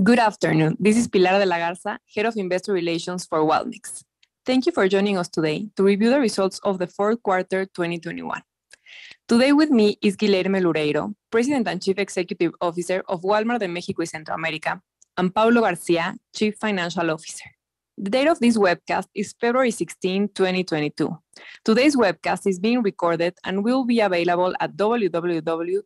Good afternoon. This is Pilar de la Garza, Head of Investor Relations for Walmex. Thank you for joining us today to review the results of the fourth quarter, 2021. Today with me is Guilherme Loureiro, President and Chief Executive Officer of Walmart de México y Centroamérica, and Paulo Garcia, Chief Financial Officer. The date of this webcast is February 16, 2022. Today's webcast is being recorded and will be available at www.walmex.mx.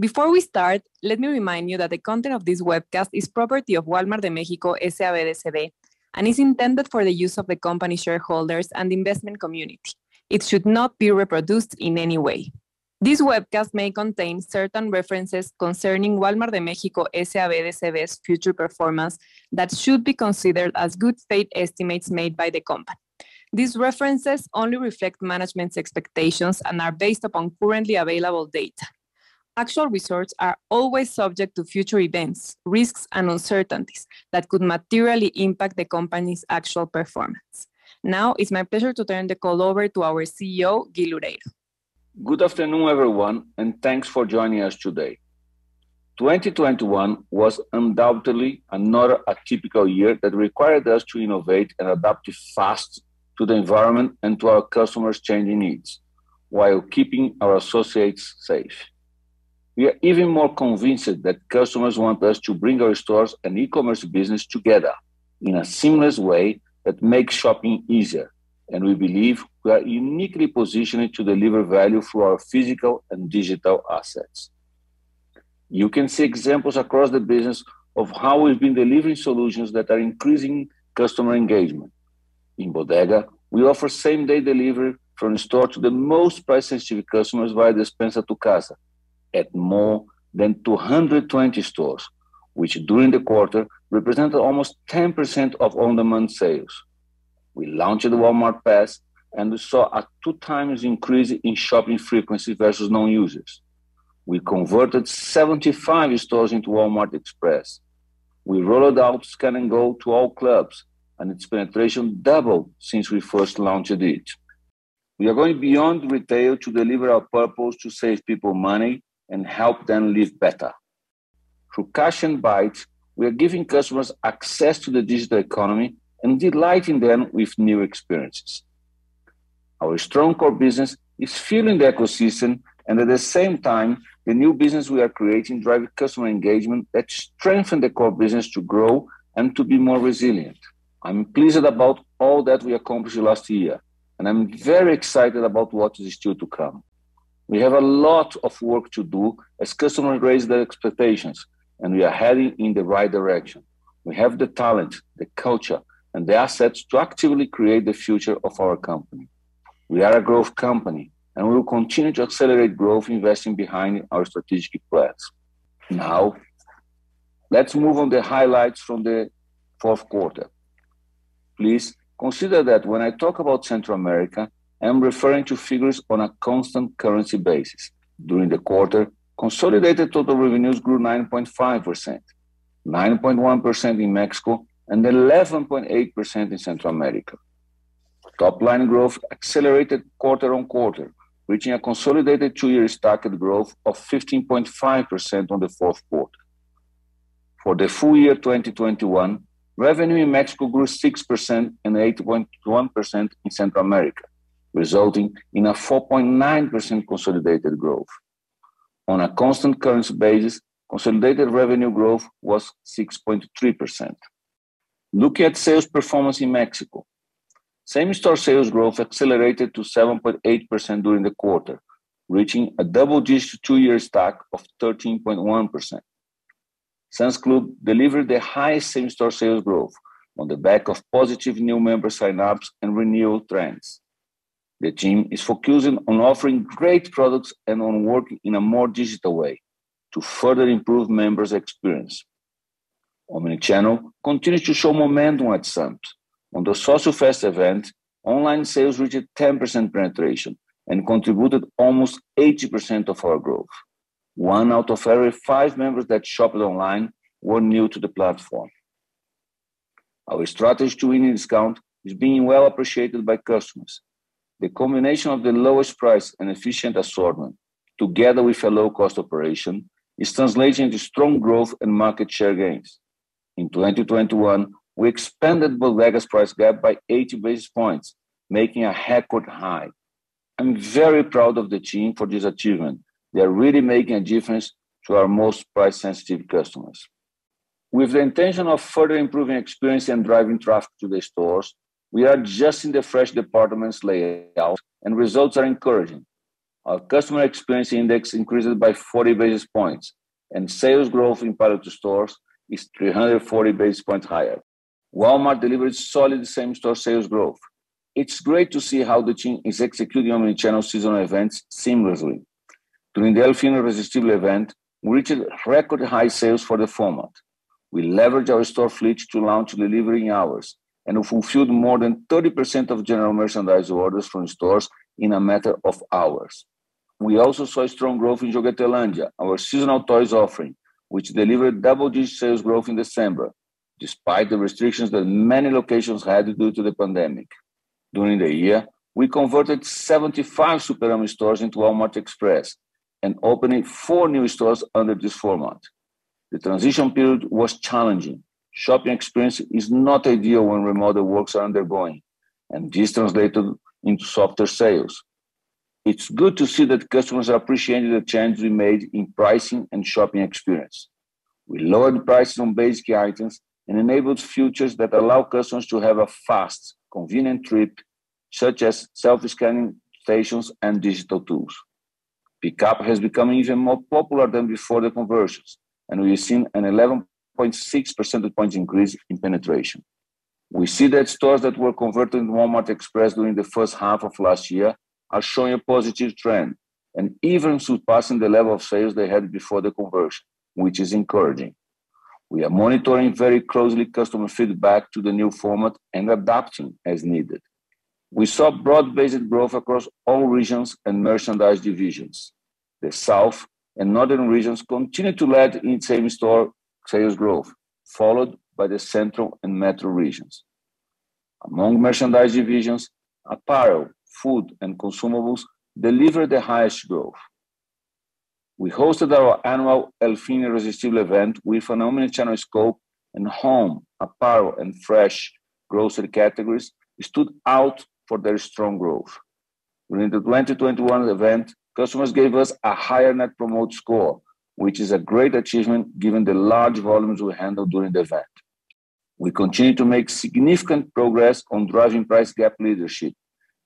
Before we start, let me remind you that the content of this webcast is property of Walmart de México, S.A.B. de C.V., and is intended for the use of the company shareholders and investment community. It should not be reproduced in any way. This webcast may contain certain references concerning Walmart de México, S.A.B. de C.V.'s future performance that should be considered as good faith estimates made by the company. These references only reflect management's expectations and are based upon currently available data. Actual results are always subject to future events, risks, and uncertainties that could materially impact the company's actual performance. Now, it's my pleasure to turn the call over to our CEO, Guilherme Loureiro. Good afternoon, everyone, and thanks for joining us today. 2021 was undoubtedly another atypical year that required us to innovate and adapt fast to the environment and to our customers' changing needs while keeping our associates safe. We are even more convinced that customers want us to bring our stores and e-commerce business together in a seamless way that makes shopping easier, and we believe we are uniquely positioned to deliver value for our physical and digital assets. You can see examples across the business of how we've been delivering solutions that are increasing customer engagement. In Bodega, we offer same-day delivery from store to the most price sensitive customers via Despensa a tu Casa at more than 220 stores, which during the quarter represented almost 10% of on-demand sales. We launched the Walmart Pass and we saw a 2x increase in shopping frequency versus non-users. We converted 75 stores into Walmart Express. We rolled out Scan & Go to all clubs, and its penetration doubled since we first launched it. We are going beyond retail to deliver our purpose to save people money and help them live better. Through Cashi and Bait, we are giving customers access to the digital economy and delighting them with new experiences. Our strong core business is fueling the ecosystem and at the same time, the new business we are creating drive customer engagement that strengthen the core business to grow and to be more resilient. I'm pleased about all that we accomplished last year, and I'm very excited about what is still to come. We have a lot of work to do as customers raise their expectations, and we are heading in the right direction. We have the talent, the culture, and the assets to actively create the future of our company. We are a growth company, and we will continue to accelerate growth investing behind our strategic plans. Now, let's move on to the highlights from the fourth quarter. Please consider that when I talk about Central America, I'm referring to figures on a constant currency basis. During the quarter, consolidated total revenues grew 9.5%, 9.1% in Mexico and 11.8% in Central America. Top line growth accelerated quarter-over-quarter, reaching a consolidated two-year stacked growth of 15.5% in the fourth quarter. For the full year, 2021, revenue in Mexico grew 6% and 8.1% in Central America, resulting in a 4.9% consolidated growth. On a constant currency basis, consolidated revenue growth was 6.3%. Looking at sales performance in Mexico, same-store sales growth accelerated to 7.8% during the quarter, reaching a double-digit two-year stack of 13.1%. Sam's Club delivered the highest same-store sales growth on the back of positive new member sign-ups and renewal trends. The team is focusing on offering great products and on working in a more digital way to further improve members' experience. Omnichannel continues to show momentum at Sam's. On the Socio Fest, online sales reached 10% penetration and contributed almost 80% of our growth. One out of every five members that shopped online were new to the platform. Our strategy to winning discount is being well appreciated by customers. The combination of the lowest price and efficient assortment, together with a low cost operation, is translating to strong growth and market share gains. In 2021, we expanded Bodega's price gap by 80 basis points, making a record high. I'm very proud of the team for this achievement. They are really making a difference to our most price sensitive customers. With the intention of further improving experience and driving traffic to the stores, we are adjusting the fresh departments layout and results are encouraging. Our customer experience index increases by 40 basis points, and sales growth in produce stores is 340 basis points higher. Walmart delivered solid same-store sales growth. It's great to see how the team is executing omnichannel seasonal events seamlessly. During the El Fin Irresistible event, we reached record high sales for the format. We leveraged our store fleet to launch delivery in hours and fulfilled more than 30% of general merchandise orders from stores in a matter of hours. We also saw strong growth in Juguetilandia, our seasonal toys offering, which delivered double-digit sales growth in December, despite the restrictions that many locations had due to the pandemic. During the year, we converted 75 Superama stores into Walmart Express and opened four new stores under this format. The transition period was challenging. Shopping experience is not ideal when remodel works are undergoing, and this translated into softer sales. It's good to see that customers are appreciating the change we made in pricing and shopping experience. We lowered prices on basic items and enabled features that allow customers to have a fast, convenient trip, such as self-scanning stations and digital tools. Pickup has become even more popular than before the conversions, and we've seen an 11.6 percentage points increase in penetration. We see that stores that were converted into Walmart Express during the first half of last year are showing a positive trend and even surpassing the level of sales they had before the conversion, which is encouraging. We are monitoring very closely customer feedback to the new format and adapting as needed. We saw broad-based growth across all regions and merchandise divisions. The South and Northern regions continued to lead in same-store sales growth, followed by the Central and Metro regions. Among merchandise divisions, apparel, food, and consumables delivered the highest growth. We hosted our annual El Fin Irresistible event with an omnichannel scope, and home, apparel, and fresh grocery categories stood out for their strong growth. During the 2021 event, customers gave us a higher Net Promoter Score, which is a great achievement given the large volumes we handled during the event. We continue to make significant progress on driving price gap leadership,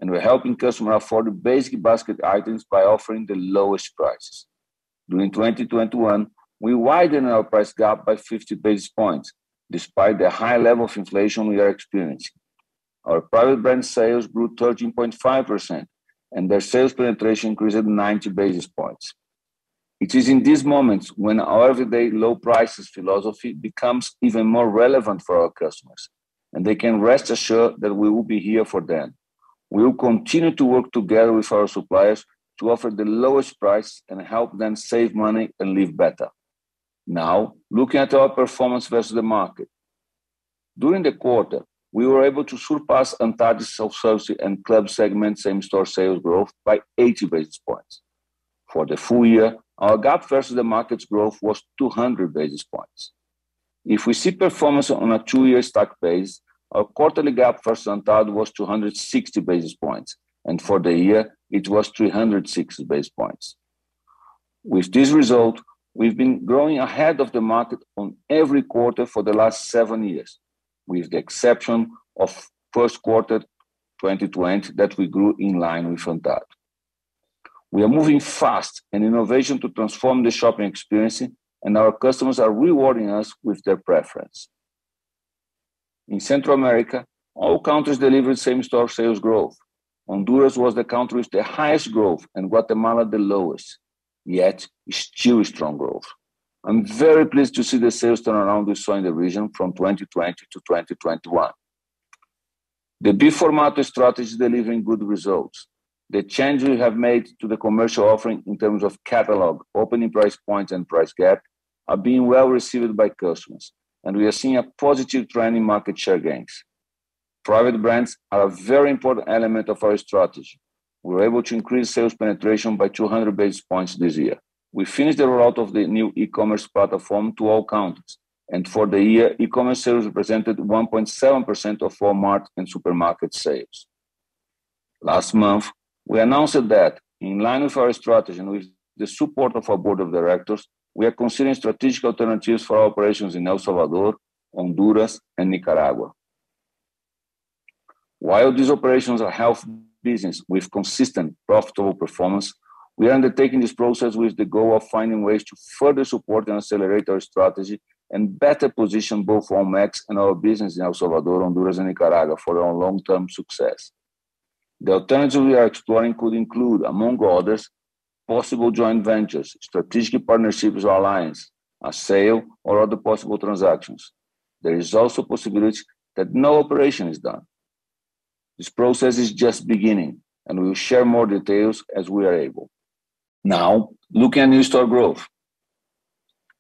and we're helping customers afford the basic basket items by offering the lowest prices. During 2021, we widened our price gap by 50 basis points despite the high level of inflation we are experiencing. Our private brand sales grew 13.5%, and their sales penetration increased 90 basis points. It is in these moments when our everyday low prices philosophy becomes even more relevant for our customers, and they can rest assured that we will be here for them. We will continue to work together with our suppliers to offer the lowest price and help them save money and live better. Now, looking at our performance versus the market. During the quarter, we were able to surpass ANTAD's self-service and club segment same-store sales growth by 80 basis points. For the full year, our gap versus the market's growth was 200 basis points. If we see performance on a two-year stack basis, our quarterly gap versus ANTAD was 260 basis points, and for the year, it was 360 basis points. With this result, we've been growing ahead of the market on every quarter for the last seven years, with the exception of first quarter 2020 that we grew in line with ANTAD. We are moving fast in innovation to transform the shopping experience, and our customers are rewarding us with their preference. In Central America, all countries delivered same-store sales growth. Honduras was the country with the highest growth and Guatemala the lowest, yet still strong growth. I'm very pleased to see the sales turnaround we saw in the region from 2020 to 2021. The B-formato strategy is delivering good results. The change we have made to the commercial offering in terms of catalog, opening price points, and price gap are being well received by customers, and we are seeing a positive trend in market share gains. Private brands are a very important element of our strategy. We were able to increase sales penetration by 200 basis points this year. We finished the rollout of the new e-commerce platform to all countries, and for the year, e-commerce sales represented 1.7% of Walmart and supermarket sales. Last month, we announced that in line with our strategy and with the support of our board of directors, we are considering strategic alternatives for our operations in El Salvador, Honduras, and Nicaragua. While these operations are healthy business with consistent profitable performance, we are undertaking this process with the goal of finding ways to further support and accelerate our strategy and better position both Walmex and our business in El Salvador, Honduras, and Nicaragua for our long-term success. The alternatives we are exploring could include, among others, possible joint ventures, strategic partnerships or alliance, a sale, or other possible transactions. There is also a possibility that no operation is done. This process is just beginning, and we will share more details as we are able. Now, looking at new store growth.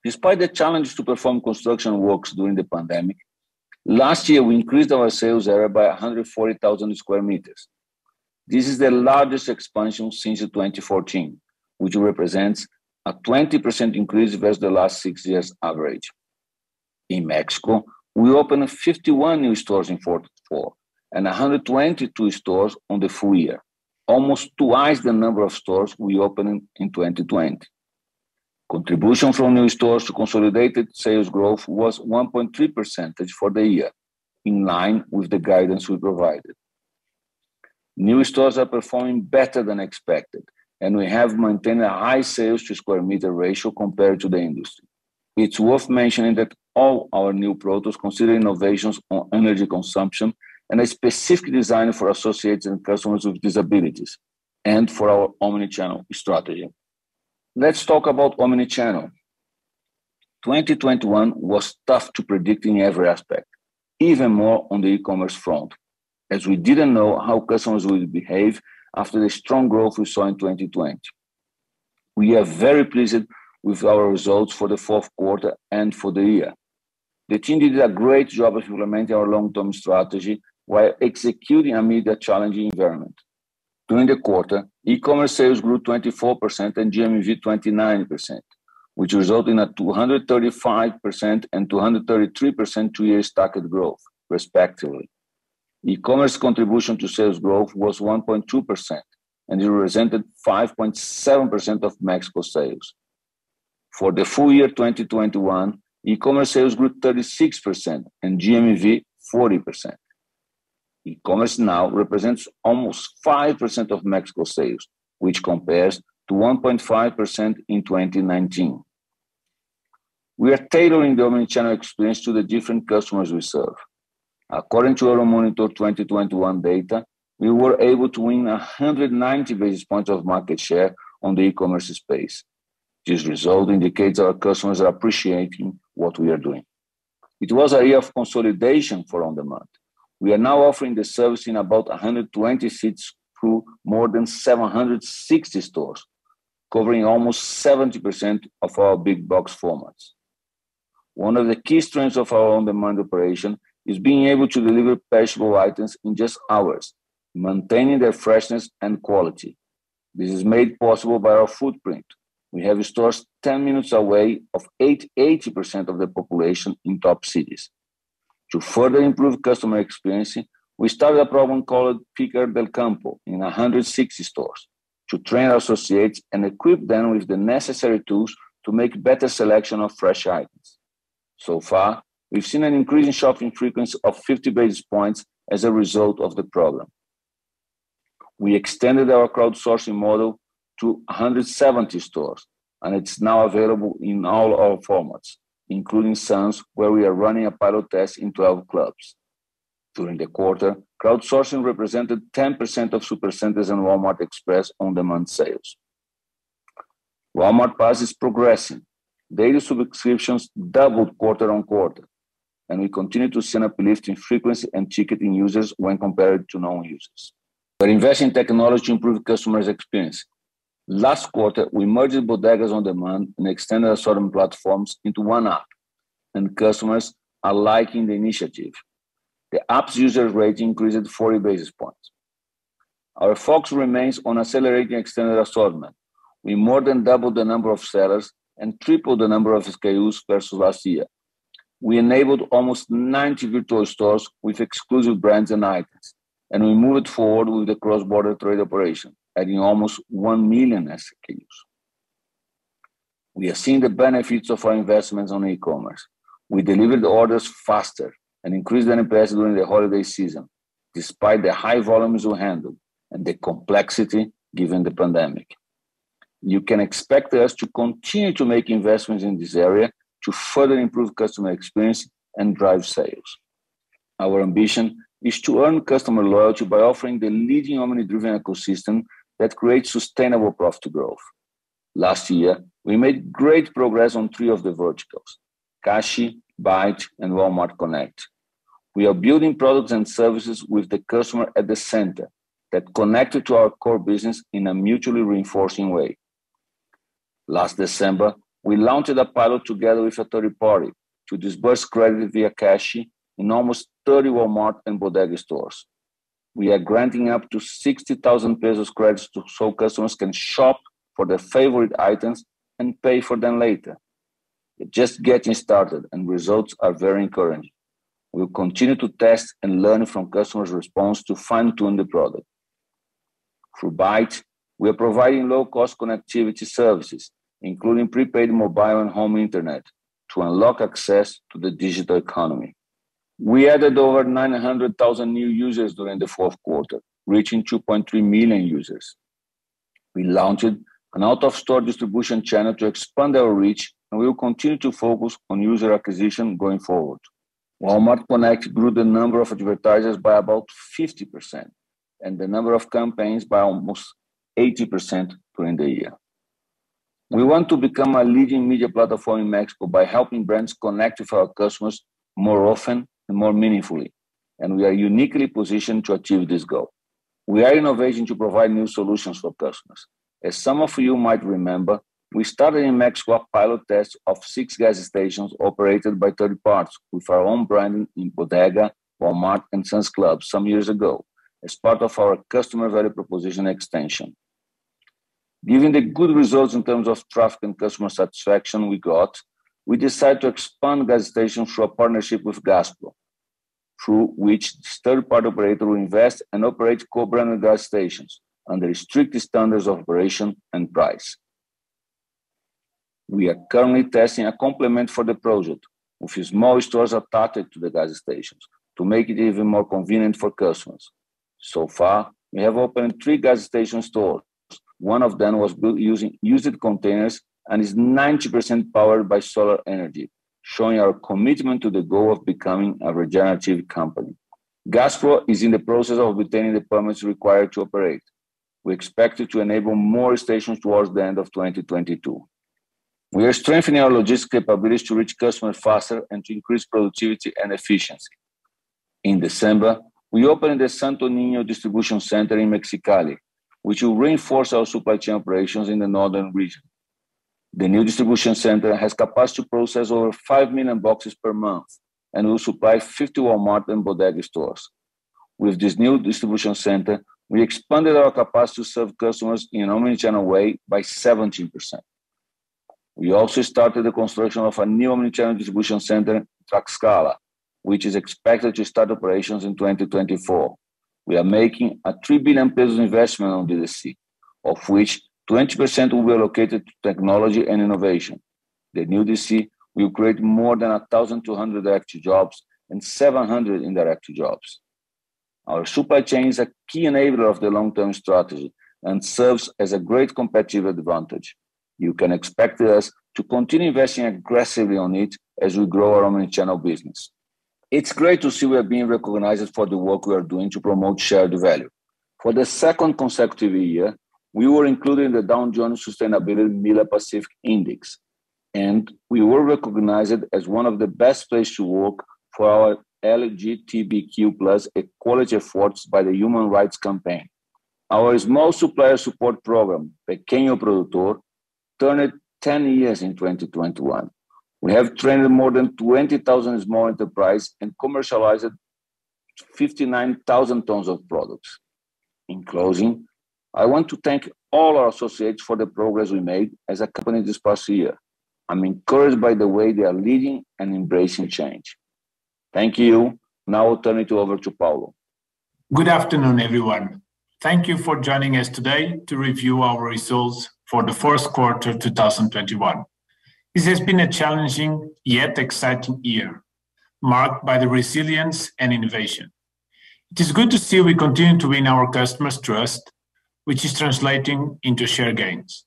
Despite the challenge to perform construction works during the pandemic, last year, we increased our sales area by 140,000 sq m. This is the largest expansion since 2014, which represents a 20% increase versus the last six years' average. In Mexico, we opened 51 new stores in Q4 and 122 stores for the full year, almost twice the number of stores we opened in 2020. Contribution from new stores to consolidated sales growth was 1.3% for the year, in line with the guidance we provided. New stores are performing better than expected, and we have maintained a high sales to square meter ratio compared to the industry. It's worth mentioning that all our new stores consider innovations on energy consumption and are specifically designed for associates and customers with disabilities and for our omnichannel strategy. Let's talk about omnichannel. 2021 was tough to predict in every aspect, even more on the e-commerce front, as we didn't know how customers would behave after the strong growth we saw in 2020. We are very pleased with our results for the fourth quarter and for the year. The team did a great job of implementing our long-term strategy while executing amid a challenging environment. During the quarter, e-commerce sales grew 24% and GMV 29%, which resulted in a 235% and 233% two-year stacked growth respectively. E-commerce contribution to sales growth was 1.2%, and it represented 5.7% of Mexico sales. For the full year 2021, e-commerce sales grew 36% and GMV 40%. E-commerce now represents almost 5% of Mexico sales, which compares to 1.5% in 2019. We are tailoring the omnichannel experience to the different customers we serve. According to our monitor 2021 data, we were able to win 190 basis points of market share on the e-commerce space. This result indicates our customers are appreciating what we are doing. It was a year of consolidation for On-Demand. We are now offering the service in about 120 seats through more than 760 stores, covering almost 70% of our big box formats. One of the key strengths of our On-Demand operation is being able to deliver perishable items in just hours, maintaining their freshness and quality. This is made possible by our footprint. We have stores 10 minutes away from 80% of the population in top cities. To further improve customer experience, we started a program called Picker del Campo in 160 stores to train our associates and equip them with the necessary tools to make better selection of fresh items. We've seen an increase in shopping frequency of 50 basis points as a result of the program. We extended our crowdsourcing model to 170 stores, and it's now available in all our formats, including Sam's, where we are running a pilot test in 12 clubs. During the quarter, crowdsourcing represented 10% of Supercenters and Walmart Express on-demand sales. Walmart Pass is progressing. Daily subscriptions doubled quarter-over-quarter, and we continue to see an uplift in frequency and ticket in users when compared to non-users. We're investing in technology to improve customers' experience. Last quarter, we merged Bodegas On Demand and extended assortment platforms into one app, and customers are liking the initiative. The app's user rate increased 40 basis points. Our focus remains on accelerating extended assortment. We more than doubled the number of sellers and tripled the number of SKUs versus last year. We enabled almost 90 virtual stores with exclusive brands and items, and we moved forward with the cross-border trade operation, adding almost 1 million SKUs. We are seeing the benefits of our investments on e-commerce. We delivered orders faster and increased net impressions during the holiday season despite the high volumes we handled and the complexity given the pandemic. You can expect us to continue to make investments in this area to further improve customer experience and drive sales. Our ambition is to earn customer loyalty by offering the leading omni-driven ecosystem that creates sustainable profit growth. Last year, we made great progress on three of the verticals, Cashi, Bait, and Walmart Connect. We are building products and services with the customer at the center that connected to our core business in a mutually reinforcing way. Last December, we launched a pilot together with a third party to disburse credit via Cashi in almost 30 Walmart and Bodega stores. We are granting up to 60,000 pesos credits, so customers can shop for their favorite items and pay for them later. We're just getting started and results are very encouraging. We'll continue to test and learn from customers' response to fine-tune the product. Through Bait, we are providing low-cost connectivity services, including prepaid mobile and home internet, to unlock access to the digital economy. We added over 900,000 new users during the fourth quarter, reaching 2.3 million users. We launched an out-of-store distribution channel to expand our reach, and we will continue to focus on user acquisition going forward. Walmart Connect grew the number of advertisers by about 50% and the number of campaigns by almost 80% during the year. We want to become a leading media platform in Mexico by helping brands connect with our customers more often and more meaningfully, and we are uniquely positioned to achieve this goal. We are innovating to provide new solutions for customers. As some of you might remember, we started in Mexico a pilot test of 6 gas stations operated by third parties with our own branding in Bodega, Walmart, and Sam's Club some years ago as part of our customer value proposition extension. Given the good results in terms of traffic and customer satisfaction we got, we decided to expand gas stations through a partnership with Gazpro, through which this third-party operator will invest and operate co-branded gas stations under strict standards of operation and price. We are currently testing a complement for the project, with which more stores are attached to the gas stations to make it even more convenient for customers. So far, we have opened three gas station stores. One of them was built using used containers and is 90% powered by solar energy, showing our commitment to the goal of becoming a regenerative company. Gazpro is in the process of obtaining the permits required to operate. We expect it to enable more stations towards the end of 2022. We are strengthening our logistics capabilities to reach customers faster and to increase productivity and efficiency. In December, we opened the Santo Niño distribution center in Mexicali, which will reinforce our supply chain operations in the northern region. The new distribution center has capacity to process over 5 million boxes per month, and will supply 50 Walmart and Bodega stores. With this new distribution center, we expanded our capacity to serve customers in an omnichannel way by 17%. We also started the construction of a new omnichannel distribution center in Tlaxcala, which is expected to start operations in 2024. We are making a 3 billion pesos investment on DDC, of which 20% will be allocated to technology and innovation. The new DC will create more than 1,200 direct jobs and 700 indirect jobs. Our supply chain is a key enabler of the long-term strategy and serves as a great competitive advantage. You can expect us to continue investing aggressively on it as we grow our omnichannel business. It's great to see we are being recognized for the work we are doing to promote shared value. For the second consecutive year, we were included in the Dow Jones Sustainability MILA Pacific Index, and we were recognized as one of the best places to work for our LGBTQ+ equality efforts by the Human Rights Campaign. Our small supplier support program, Pequeño Productor, turned 10 years in 2021. We have trained more than 20,000 small enterprise and commercialized 59,000 tons of products. In closing, I want to thank all our associates for the progress we made as a company this past year. I'm encouraged by the way they are leading and embracing change. Thank you. Now I'll turn it over to Paulo. Good afternoon, everyone. Thank you for joining us today to review our results for the first quarter 2021. This has been a challenging yet exciting year, marked by the resilience and innovation. It is good to see we continue to win our customers' trust, which is translating into share gains.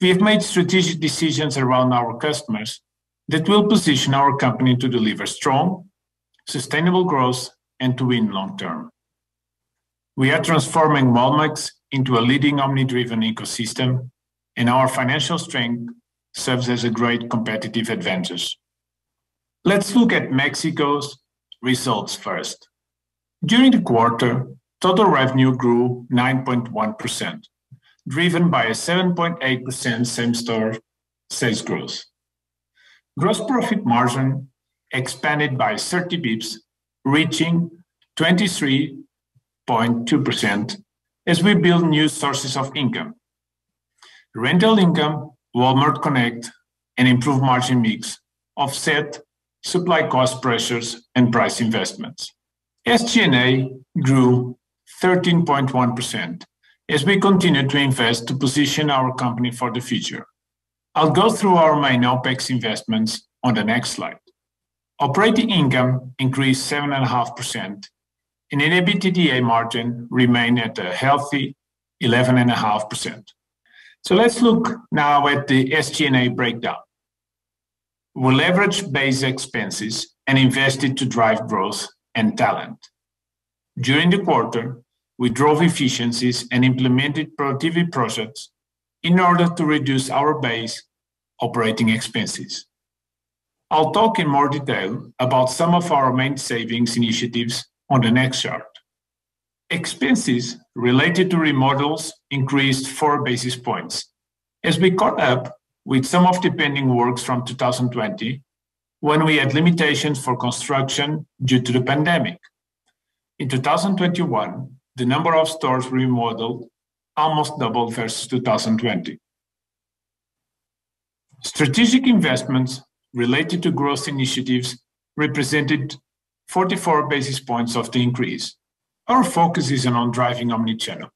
We have made strategic decisions around our customers that will position our company to deliver strong, sustainable growth and to win long term. We are transforming Walmex into a leading omni-driven ecosystem, and our financial strength serves as a great competitive advantage. Let's look at Mexico's results first. During the quarter, total revenue grew 9.1%, driven by a 7.8% same-store sales growth. Gross profit margin expanded by 30 basis points, reaching 23.2% as we build new sources of income. Rental income, Walmart Connect, and improved margin mix offset supply cost pressures and price investments. SG&A grew 13.1% as we continue to invest to position our company for the future. I'll go through our main OpEx investments on the next slide. Operating income increased 7.5%, and EBITDA margin remained at a healthy 11.5%. Let's look now at the SG&A breakdown. We leveraged base expenses and invested to drive growth and talent. During the quarter, we drove efficiencies and implemented productivity projects in order to reduce our base operating expenses. I'll talk in more detail about some of our main savings initiatives on the next chart. Expenses related to remodels increased 4 basis points as we caught up with some of the pending works from 2020 when we had limitations for construction due to the pandemic. In 2021, the number of stores remodeled almost doubled versus 2020. Strategic investments related to growth initiatives represented 44 basis points of the increase. Our focus is on driving omnichannel.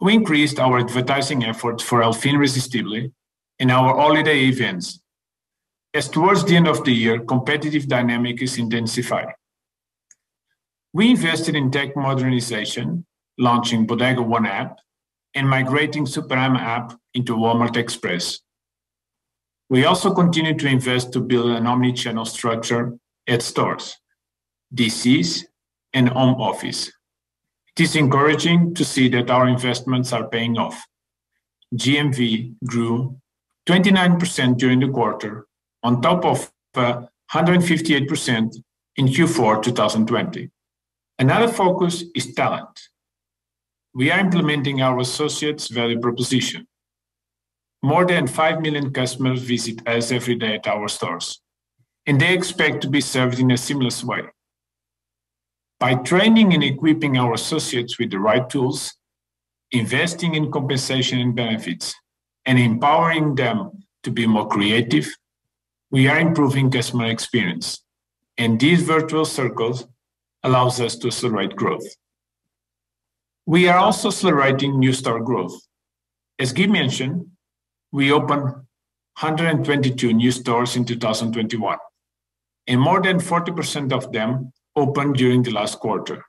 We increased our advertising efforts for El Fin Irresistible in our holiday events, as towards the end of the year competitive dynamic is intensified. We invested in tech modernization, launching Bodega Aurrerá app and migrating Superama app into Walmart Express. We also continued to invest to build an omnichannel structure at stores, DCs, and home office. It is encouraging to see that our investments are paying off. GMV grew 29% during the quarter on top of 158% in Q4 2020. Another focus is talent. We are implementing our associates' value proposition. More than 5 million customers visit us every day at our stores, and they expect to be served in a seamless way. By training and equipping our associates with the right tools, investing in compensation and benefits, and empowering them to be more creative, we are improving customer experience, and these virtuous circles allows us to accelerate growth. We are also accelerating new store growth. As Gui mentioned, we opened 122 new stores in 2021, and more than 40% of them opened during the last quarter.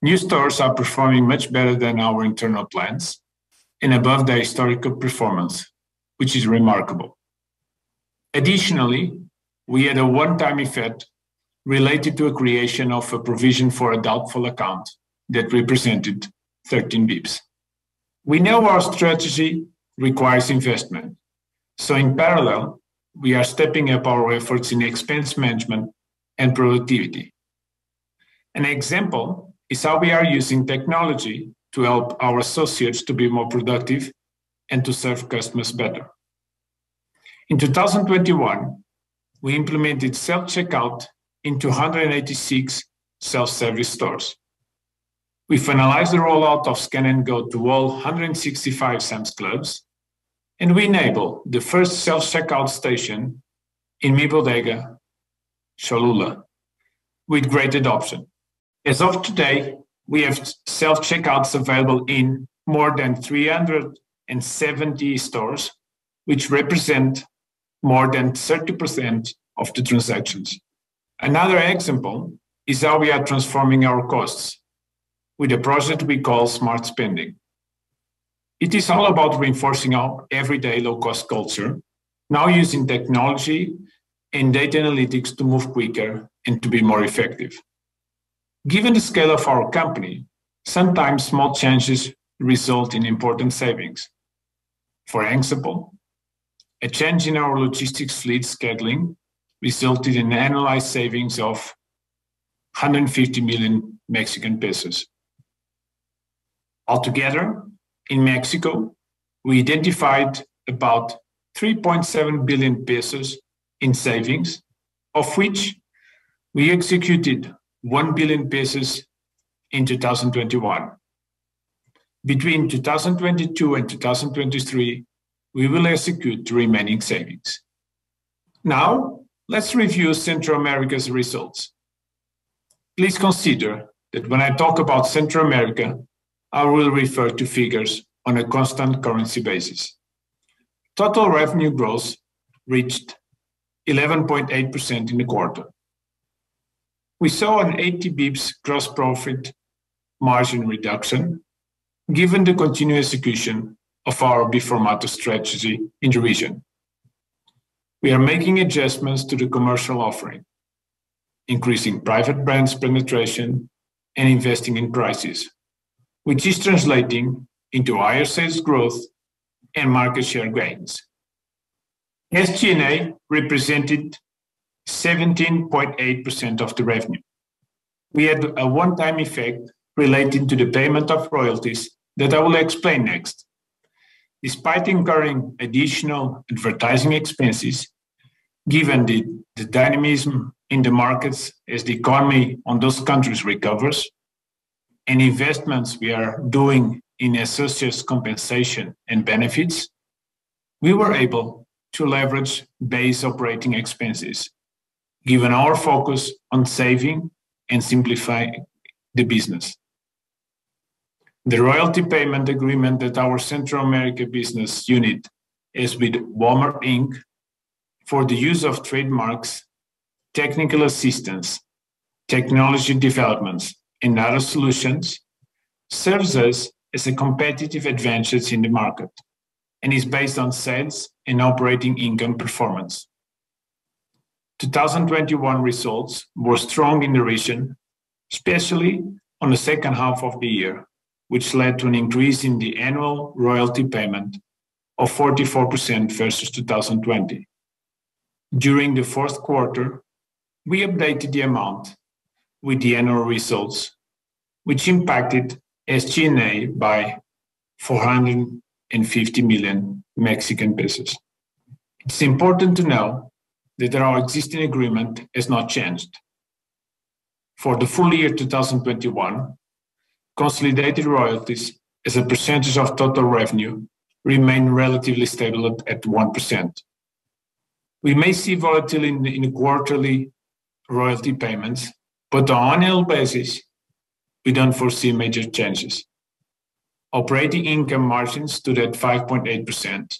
New stores are performing much better than our internal plans and above their historical performance, which is remarkable. Additionally, we had a one-time effect related to a creation of a provision for a doubtful account that represented 13 basis points. We know our strategy requires investment, so in parallel, we are stepping up our efforts in expense management and productivity. An example is how we are using technology to help our associates to be more productive and to serve customers better. In 2021, we implemented self-checkout into 186 self-service stores. We finalized the rollout of Scan & Go to all 165 Sam's Clubs, and we enabled the first self-checkout station in Mi Bodega Aurrerá, Cholula, with great adoption. As of today, we have self-checkouts available in more than 370 stores, which represent more than 30% of the transactions. Another example is how we are transforming our costs with a project we call Smart Spending. It is all about reinforcing our everyday low-cost culture, now using technology and data analytics to move quicker and to be more effective. Given the scale of our company, sometimes small changes result in important savings. For example, a change in our logistics fleet scheduling resulted in annualized savings of MXN 150 million. Altogether, in Mexico, we identified about 3.7 billion pesos in savings, of which we executed 1 billion pesos in 2021. Between 2022 and 2023, we will execute the remaining savings. Now, let's review Central America's results. Please consider that when I talk about Central America, I will refer to figures on a constant currency basis. Total revenue growth reached 11.8% in the quarter. We saw an 80 basis points gross profit margin reduction, given the continued execution of our B-formato strategy in the region. We are making adjustments to the commercial offering, increasing private brands penetration, and investing in prices, which is translating into higher sales growth and market share gains. SG&A represented 17.8% of the revenue. We had a one-time effect related to the payment of royalties that I will explain next. Despite incurring additional advertising expenses, given the dynamism in the markets as the economy in those countries recovers, and investments we are doing in associates compensation and benefits, we were able to leverage base operating expenses, given our focus on saving and simplifying the business. The royalty payment agreement that our Central America business unit has with Walmart Inc. for the use of trademarks, technical assistance, technology developments, and other solutions, serves us as a competitive advantage in the market and is based on sales and operating income performance. 2021 results were strong in the region, especially on the second half of the year, which led to an increase in the annual royalty payment of 44% versus 2020. During the fourth quarter, we updated the amount with the annual results, which impacted SG&A by 450 million Mexican pesos. It's important to know that our existing agreement has not changed. For the full year 2021, consolidated royalties as a percentage of total revenue remained relatively stable at 1%. We may see volatility in the quarterly royalty payments, but on annual basis, we don't foresee major changes. Operating income margin stood at 5.8%,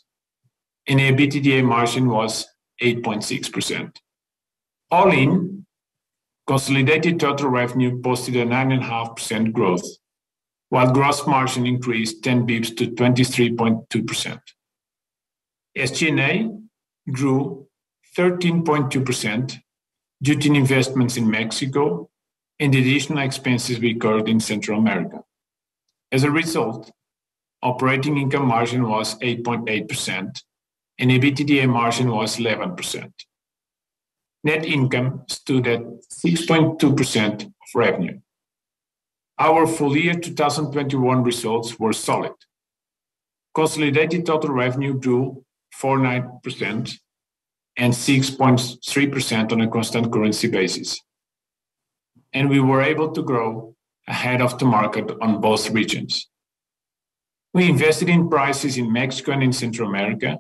and EBITDA margin was 8.6%. All in, consolidated total revenue posted a 9.5% growth, while gross margin increased 10 basis points to 23.2%. SG&A grew 13.2% due to investments in Mexico and additional expenses we incurred in Central America. As a result, operating income margin was 8.8% and EBITDA margin was 11%. Net income stood at 6.2% of revenue. Our full year 2021 results were solid. Consolidated total revenue grew 4.9% and 6.3% on a constant currency basis, and we were able to grow ahead of the market on both regions. We invested in prices in Mexico and in Central America,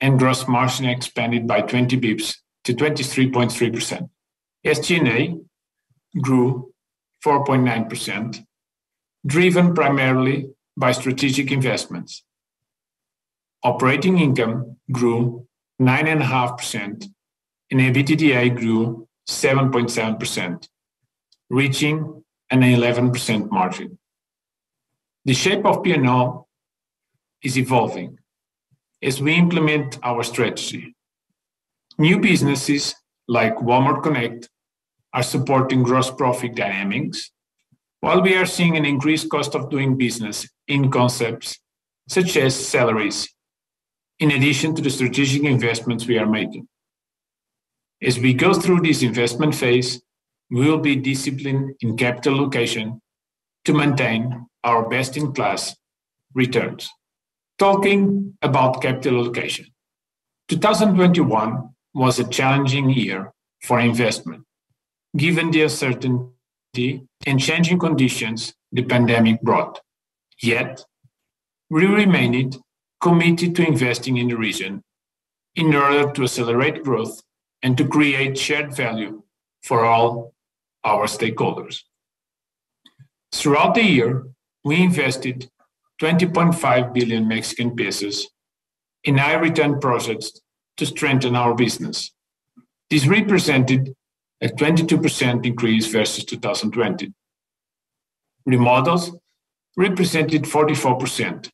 and gross margin expanded by 20 basis points to 23.3%. SG&A grew 4.9%, driven primarily by strategic investments. Operating income grew 9.5%, and EBITDA grew 7.7%, reaching an 11% margin. The shape of P&L is evolving as we implement our strategy. New businesses like Walmart Connect are supporting gross profit dynamics, while we are seeing an increased cost of doing business in concepts such as salaries, in addition to the strategic investments we are making. As we go through this investment phase, we will be disciplined in capital allocation to maintain our best-in-class returns. Talking about capital allocation, 2021 was a challenging year for investment given the uncertainty and changing conditions the pandemic brought. Yet we remained committed to investing in the region in order to accelerate growth and to create shared value for all our stakeholders. Throughout the year, we invested 20.5 billion Mexican pesos in high return projects to strengthen our business. This represented a 22% increase versus 2020. Remodels represented 44%.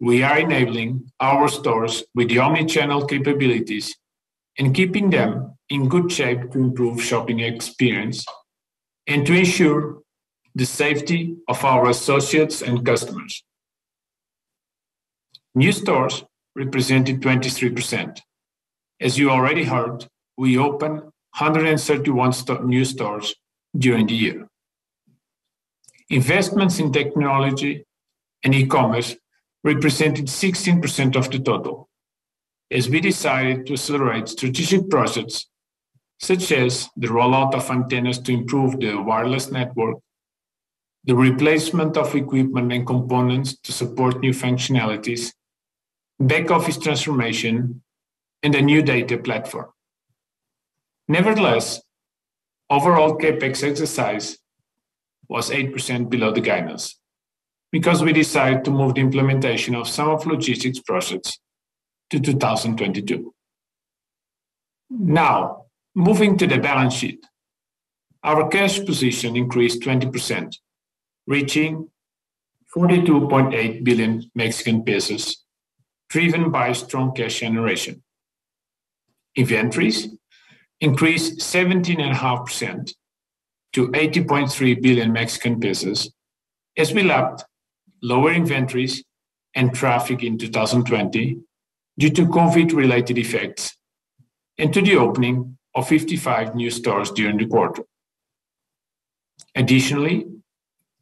We are enabling our stores with omnichannel capabilities and keeping them in good shape to improve shopping experience and to ensure the safety of our associates and customers. New stores represented 23%. As you already heard, we opened 131 new stores during the year. Investments in technology and e-commerce represented 16% of the total, as we decided to accelerate strategic projects such as the rollout of antennas to improve the wireless network, the replacement of equipment and components to support new functionalities, back office transformation, and a new data platform. Nevertheless, overall CapEx was 8% below the guidance because we decided to move the implementation of some logistics projects to 2022. Now, moving to the balance sheet, our cash position increased 20%, reaching 42.8 billion Mexican pesos, driven by strong cash generation. Inventories increased 17.5% to 80.3 billion Mexican pesos as we lapped lower inventories and traffic in 2020 due to COVID-related effects and to the opening of 55 new stores during the quarter. Additionally,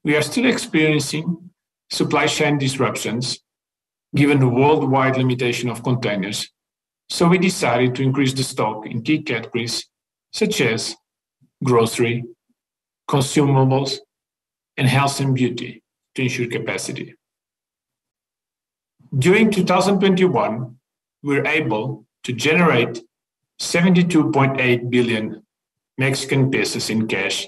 we are still experiencing supply chain disruptions given the worldwide limitation of containers, so we decided to increase the stock in key categories such as grocery, consumables, and health and beauty to ensure capacity. During 2021, we were able to generate 72.8 billion Mexican pesos in cash,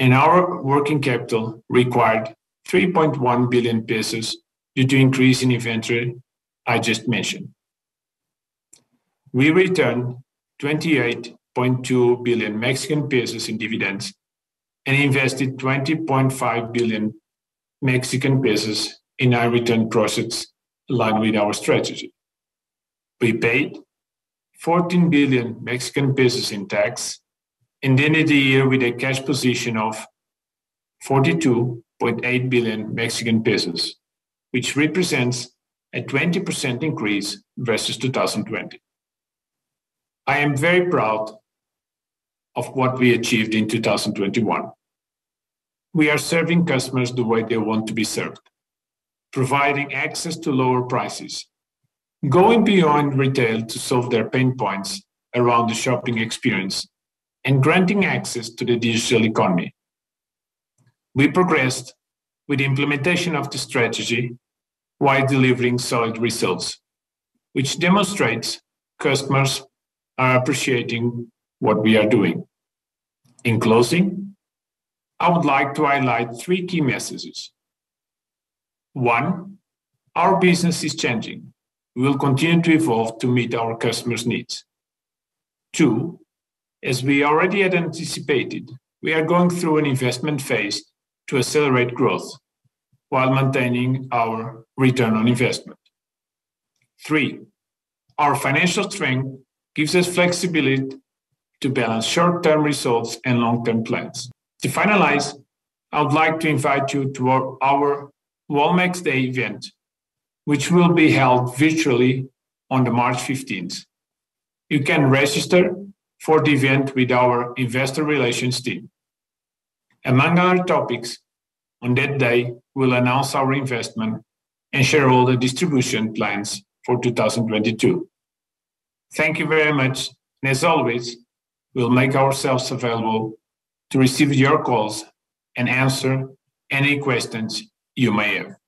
and our working capital required 3.1 billion pesos due to increase in inventory I just mentioned. We returned 28.2 billion Mexican pesos in dividends and invested 20.5 billion Mexican pesos in high return projects in line with our strategy. We paid 14 billion Mexican pesos in tax, and ended the year with a cash position of 42.8 billion Mexican pesos, which represents a 20% increase versus 2020. I am very proud of what we achieved in 2021. We are serving customers the way they want to be served, providing access to lower prices, going beyond retail to solve their pain points around the shopping experience, and granting access to the digital economy. We progressed with the implementation of the strategy while delivering solid results, which demonstrates customers are appreciating what we are doing. In closing, I would like to highlight three key messages. One, our business is changing. We will continue to evolve to meet our customers' needs. Two, as we already had anticipated, we are going through an investment phase to accelerate growth while maintaining our return on investment. Three, our financial strength gives us flexibility to balance short-term results and long-term plans. To finalize, I would like to invite you to our Walmex Day Event, which will be held virtually on March 15th. You can register for the event with our Investor Relations team. Among our topics on that day, we'll announce our investment and share all the distribution plans for 2022. Thank you very much, and as always, we'll make ourselves available to receive your calls and answer any questions you may have.